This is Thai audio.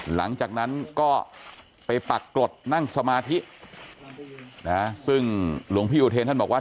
หลังจากนั้นก็ไปปักกรดนั่งสมาธินะซึ่งหลวงพี่อุเทรนท่านบอกว่า